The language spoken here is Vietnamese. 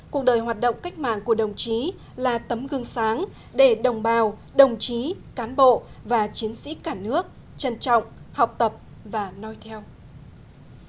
cuộc đời hoạt động cách mạng của đồng chí là tấm gương sáng để đồng bào đồng chí cán bộ và chiến sĩ cả nước trân trọng học tập và nói theo